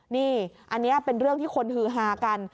นี่อันนี้เป็นเรื่องที่คนฮือฮากัน